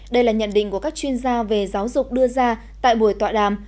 đây là nhận định của các chuyên gia về giáo dục đưa ra tại buổi tọa đàm